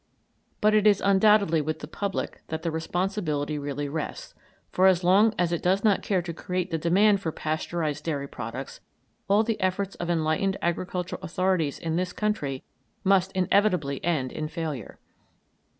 But it is undoubtedly with the public that the responsibility really rests, for as long as it does not care to create the demand for Pasteurised dairy products all the efforts of enlightened agricultural authorities in this country must inevitably end in failure.